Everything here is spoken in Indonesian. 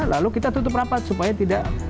lalu kita tutup rapat supaya tidak